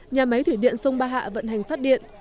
nhà máy thủy điện sông ba hạ vận hành phát điện